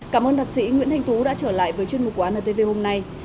cảm ơn thạc sĩ nguyễn thanh tú đã trở lại với chuyên mục của antv hôm nay